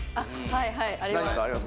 はいはいあります